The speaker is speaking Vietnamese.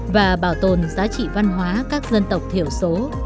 và bảo tồn giá trị văn hóa các khu vực